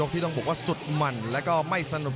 กำปั้นขวาสายวัดระยะไปเรื่อย